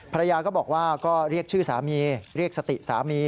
ภรรยาก็บอกว่าก็เรียกชื่อสามีเรียกสติสามี